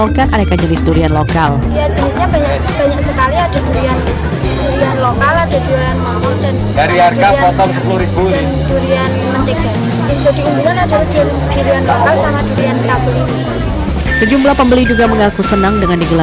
sangat menarik karena masyarakat dapat mengetahui berbagai macam durian durian yang kita